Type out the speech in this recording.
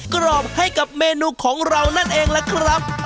กรอบให้กับเมนูของเรานั่นเองล่ะครับ